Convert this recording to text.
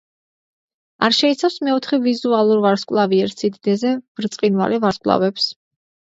არ შეიცავს მეოთხე ვიზუალურ ვარსკვლავიერ სიდიდეზე ბრწყინვალე ვარსკვლავებს.